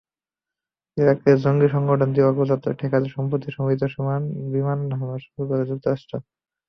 ইরাকে জঙ্গি সংগঠনটির অগ্রযাত্রা ঠেকাতে সম্প্রতি সীমিত বিমান হামলা শুরু করে যুক্তরাষ্ট্র।